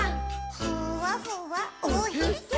「ふわふわおへそ」